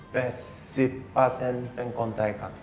๘๐เป็นคนไทยครับ